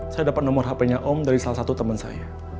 saya dapat nomor hpnya om dari salah satu temen saya